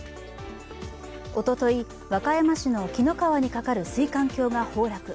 おととい、和歌山市の紀の川にかかる水管橋が崩落。